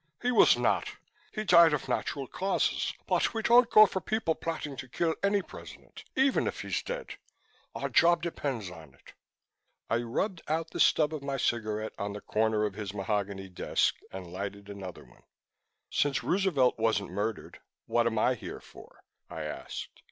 "He was not! He died of natural causes, but we don't go for people plotting to kill any President, even if he's dead. Our job depends on it." I rubbed out the stub of my cigarette on the corner of his mahogany desk and lighted another one. "Since Roosevelt wasn't murdered, what am I here for?" I asked.